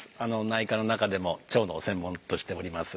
内科の中でも腸の専門としております。